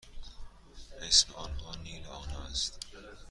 اسم آنها نیل و آنا است.